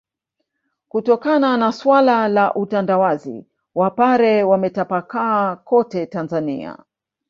Kutokana na suala la utandawazi wapare wametapakaa kote Tanzania